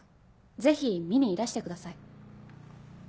ぜひ見にいらしてください。